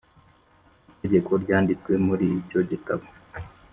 Itegeko ryanditswe muri icyo gitabo